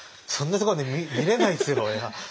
そんなとこまで見れないですよ俺は。